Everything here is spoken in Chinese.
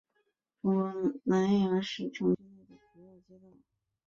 中国南阳市城区内的主要街道。